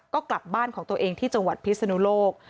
ก็กลับบ้านของตัวเองที่จังหวัดพิศนุโลก